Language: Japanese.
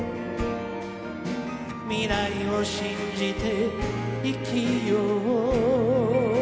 「未来を信じて生きよう」